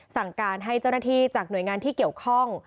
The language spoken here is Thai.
สั่งการให้เจ้าหน้าที่จากหน่วยงานที่เกี่ยวข้อง